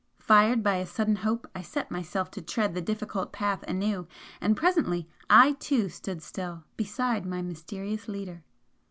Fired by a sudden hope, I set myself to tread the difficult path anew, and presently I too stood still, beside my mysterious Leader.